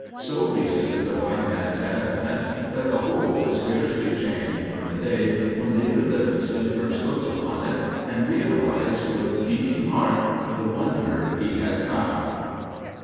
So recent is the white man's advent that the whole is scarcely changed from the day when David Livingstone first looked upon it and realized, with beating heart, the Wonder he had found.